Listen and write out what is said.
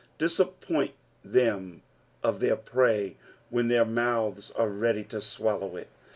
Cissppoint them of their prey when their mouths are ready to swallow it.